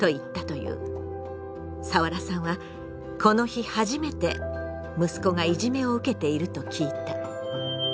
サワラさんはこの日初めて息子がいじめを受けていると聞いた。